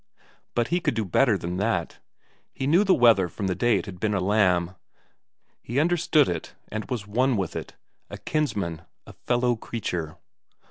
But he could do better than that. He knew the wether from the day when it had been a lamb, he understood it and was one with it a kinsman, a fellow creature.